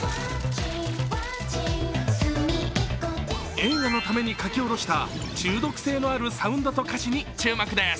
映画のために書き下ろした中毒性のあるサウンドと歌詞に注目です。